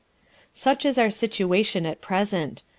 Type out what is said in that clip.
Such is our situation at present.